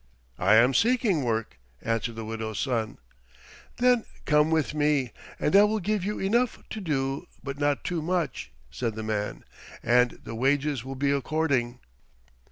"I am seeking work," answered the widow's son. "Then come with me, and I will give you enough to do but not too much," said the man, "and the wages will be according."